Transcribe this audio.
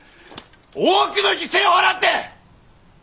多くの犠牲を払って！